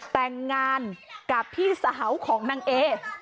แต่งงานกับพี่สาวของนางเอ